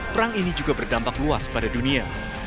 perang ini juga berdampak luas pada dunia